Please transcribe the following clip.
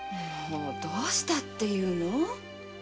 どうしたっていうの？